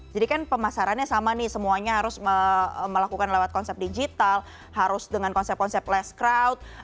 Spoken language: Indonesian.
jadi kan pemasarannya sama nih semuanya harus melakukan lewat konsep digital harus dengan konsep konsep less crowd